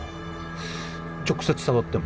直接触っても？